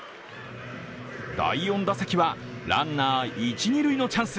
第４打席は、ランナー一塁・二塁のチャンス。